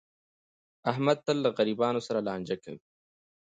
احمد تل له غریبانو سره لانجه کوي.